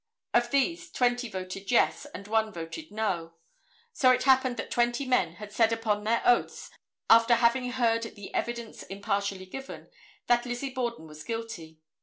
Of these, twenty voted "yes" and one voted "no." So it happened that twenty men had said upon their oaths, after having heard the evidence impartially given, that Lizzie Borden was guilty.